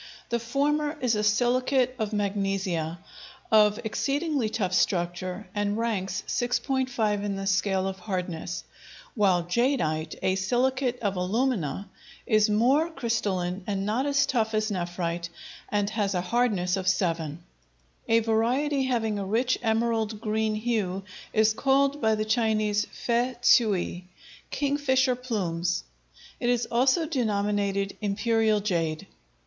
The former is a silicate of magnesia, of exceedingly tough structure, and ranks 6.5 in the scale of hardness, while jadeite, a silicate of alumina, is more crystalline and not as tough as nephrite and has a hardness of 7. A variety having a rich emerald green hue is called by the Chinese fei ts'ui, "Kingfisher plumes"; it is also denominated Imperial jade.